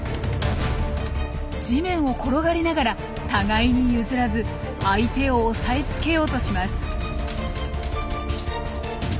地面を転がりながら互いに譲らず相手を押さえつけようとします。